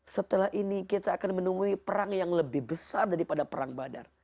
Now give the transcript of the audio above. setelah ini kita akan menemui perang yang lebih besar daripada perang badar